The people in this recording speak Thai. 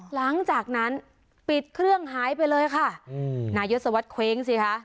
หลังจากนั้นปิดเครื่องหายไปเลยค่ะอืมนายศวรรษเคว้งสิคะ